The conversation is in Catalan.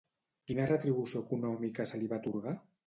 Quina retribució econòmica se li va atorgar?